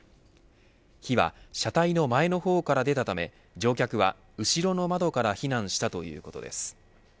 火は、車体の前の方から火が出たため乗客は後ろの窓から避難したということです。